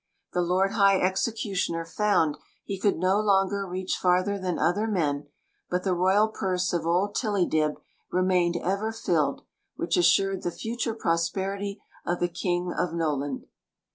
The lord high executioner found he could no longer reach farther than other men; but the royal purse of old Tillydib remained ever filled, which as sured the future prosperity of the kingdom of Noland.